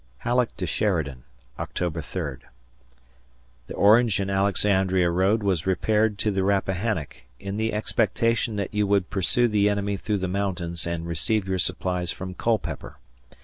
[Halleck to Sheridan] October 3rd. The Orange and Alexandria road was repaired to the Rappahannock, in the expectation that you would pursue the enemy through the mountains and receive your supplies from Culpeper.